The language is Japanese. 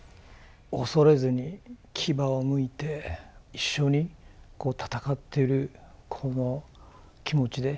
恐れずに牙をむいて一緒に戦ってるこの気持ちで。